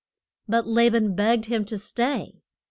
But La ban begged him to stay.